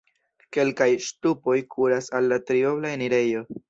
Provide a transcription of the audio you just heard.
Kelkaj ŝtupoj kuras al la triobla enirejo.